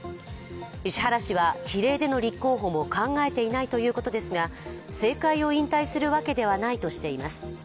石原氏は、比例での立候補も考えていないということですが、政界を引退するわけではないとしています。